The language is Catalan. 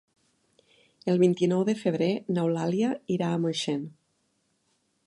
El vint-i-nou de febrer n'Eulàlia irà a Moixent.